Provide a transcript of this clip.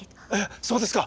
そうですか。